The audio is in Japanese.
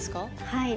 はい。